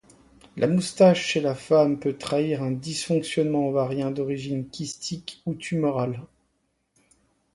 La moustache chez la femme peut trahir un dysfonctionnement ovarien d’origine kystique ou tumoral.